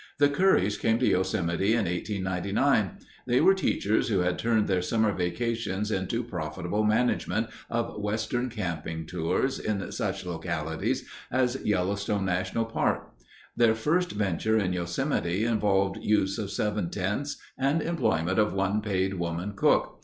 The Currys came to Yosemite in 1899. They were teachers who had turned their summer vacations into profitable management of Western camping tours in such localities as Yellowstone National Park. Their first venture in Yosemite involved use of seven tents and employment of one paid woman cook.